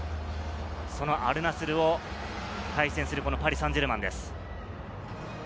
アルナスルと対戦するパリ・サンジェルマンです。